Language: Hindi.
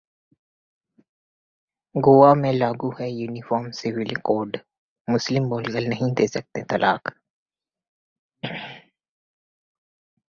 गोवा में लागू है यूनिफॉर्म सिविल कोड, मुस्लिम बोलकर नहीं दे सकते तलाक